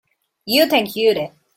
You think you did.